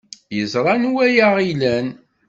Yeẓra anwa ay aɣ-ilan.